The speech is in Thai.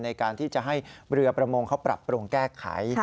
ในการที่จะให้เรือประมงเขาปรับปรุงแก้ไข